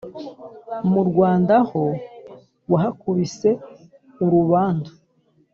Mu Rwanda ho wahakubise urubandu,